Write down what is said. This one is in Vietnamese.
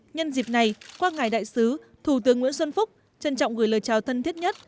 nhân dịp này qua ngài đại sứ thủ tướng nguyễn xuân phúc trân trọng gửi lời chào thân thiết nhất